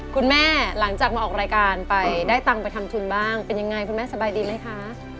หลังจากมาออกรายการไปได้ตังค์ไปทำทุนบ้างเป็นยังไงคุณแม่สบายดีไหมคะ